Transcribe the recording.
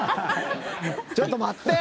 ちょっと待って。